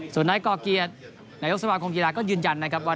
ส่วนนายก่อเกียรตินายกสมาคมกีฬาก็ยืนยันนะครับว่า